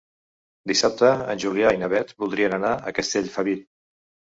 Dissabte en Julià i na Beth voldrien anar a Castellfabib.